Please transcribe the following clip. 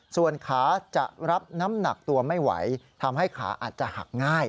ส่วนขาจะรับน้ำหนักตัวไม่ไหวทำให้ขาอาจจะหักง่าย